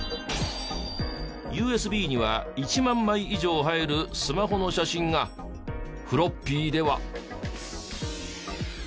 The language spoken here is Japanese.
ＵＳＢには１万枚以上入るスマホの写真がフロッピーでは。